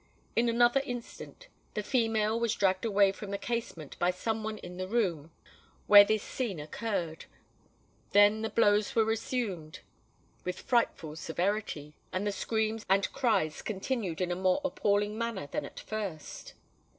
In another instant the female was dragged away from the casement by some one in the room where this scene occurred; then the blows were resumed with frightful severity, and the screams and cries continued in a more appalling manner than at first.